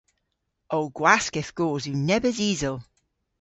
Ow gwaskedh goos yw nebes isel.